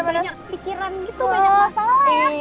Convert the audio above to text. banyak pikiran gitu banyak masalah ya